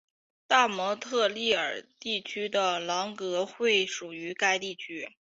大蒙特利尔地区的朗格惠属于该地区。